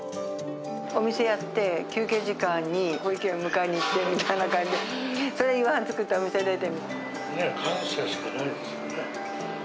お店やって、休憩時間に保育園迎えに行ってみたいな感じで、それで夕飯作って、感謝しかないですよね。